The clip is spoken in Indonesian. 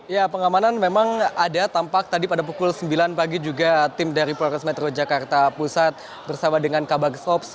ya pengamanan memang ada tampak tadi pada pukul sembilan pagi juga tim dari polres metro jakarta pusat bersama dengan kabak sop